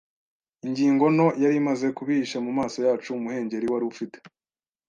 ingingo nto yari imaze kubihisha mumaso yacu. Umuhengeri, wari ufite